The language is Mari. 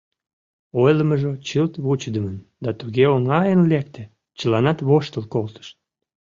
Ойлымыжо чылт вучыдымын да туге оҥайын лекте, чыланат воштыл колтышт.